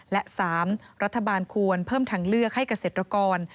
และ๓รัฐบาลควรเพิ่มทางเลือกให้เกษตรกร